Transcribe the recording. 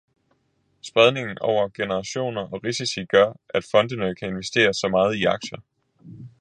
Spredningen over generationer og risici gør, at fondene kan investere så meget i aktier.